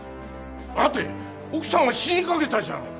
待て奥さんは死にかけたじゃないか